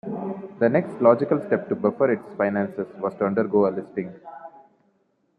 The next logical step to buffer its finances was to undergo a listing.